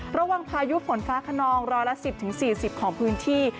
พายุฝนฟ้าขนองร้อยละ๑๐๔๐ของพื้นที่